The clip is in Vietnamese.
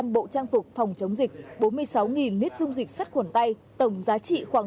năm bảy trăm linh bộ trang phục phòng chống dịch bốn mươi sáu nít dung dịch sắt khuẩn tay tổng giá trị khoảng